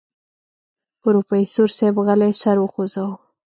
پروفيسر صيب غلی سر وخوځوه.